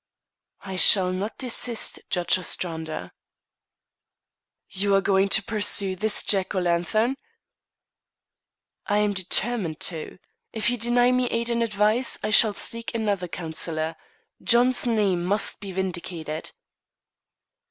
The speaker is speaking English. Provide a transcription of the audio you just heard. "I shall not desist, Judge Ostrander." "You are going to pursue this Jack o' Lanthorn?" "I am determined to. If you deny me aid and advice, I shall seek another counsellor. John's name must be vindicated."